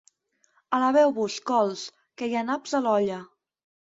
Alabeu-vos, cols, que hi ha naps a l'olla.